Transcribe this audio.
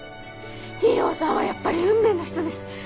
Ｔ・Ｏさんはやっぱり運命の人です。